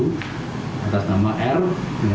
ternyata tersangka berusaha melarikan diri